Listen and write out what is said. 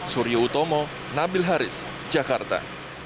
surya utomo nabil haris jakarta